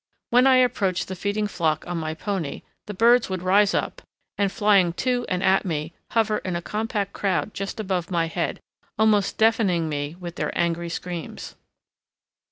When I approached the feeding flock on my pony the birds would rise up and, flying to and at me, hover in a compact crowd just above my head, almost deafening me with their angry screams.